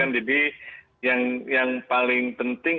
jadi yang paling penting